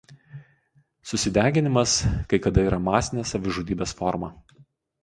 Susideginimas kai kada yra masinės savižudybės forma.